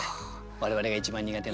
我々が一番苦手な。